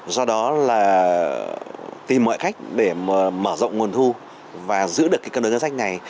do đó tìm mọi cách để mở rộng nguồn thu và giữ được cân đối ngân sách này